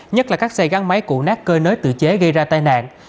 nhất là các xe gắn máy cụ nát cơi nới tự chế gây ra tai nạn